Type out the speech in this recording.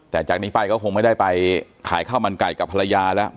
แต่จากนี้ไปก็คงไม่ได้ไปขายข้าวมันไก่กับภรรยาแล้ว